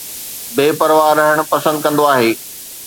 بي پرواهه رهڻ پسند ڪندو آهي